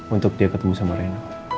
untuk dia ketemu sama rena